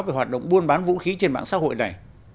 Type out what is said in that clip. về hoạt động buôn bán vũ khí trên mạng xã hội này